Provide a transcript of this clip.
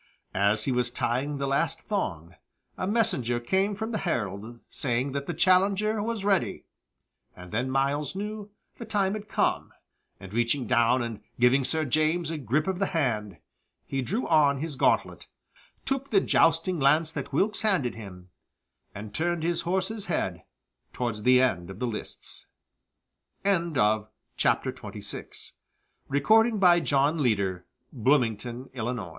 As he was tying the last thong a messenger came from the Herald, saying that the challenger was ready, and then Myles knew the time had come, and reaching down and giving Sir James a grip of the hand, he drew on his gauntlet, took the jousting lance that Wilkes handed him, and turned his horse's head towards his end of the lists. CHAPTER 27 As Myles took his place at the south end of the lists, he found the Sie